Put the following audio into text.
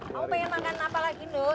kamu mau makan apa lagi ndok